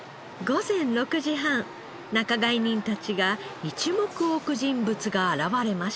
午前６時半仲買人たちが一目を置く人物が現れました。